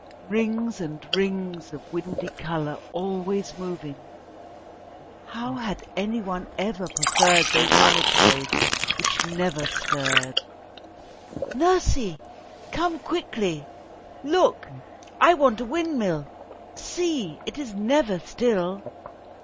Rings and rings of windy colour always moving! How had any one ever preferred those other toys which never stirred. "Nursie, come quickly. Look! I want a windmill. See! It is never still.